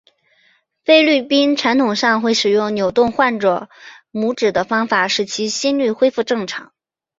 菲律宾传统上会使用扭动患者拇趾的方法使其心律恢复正常。